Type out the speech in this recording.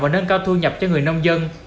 và nâng cao thu nhập cho người nông dân